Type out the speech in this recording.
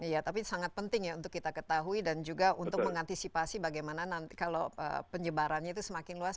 iya tapi sangat penting ya untuk kita ketahui dan juga untuk mengantisipasi bagaimana nanti kalau penyebarannya itu semakin luas